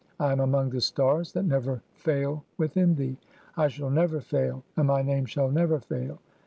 "(5) I am among the stars that never fail within thee ; I shall "never fail, and my name shall never fail.